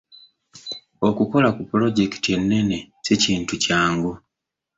Okukola ku pulojekiti ennene si kintu kyangu.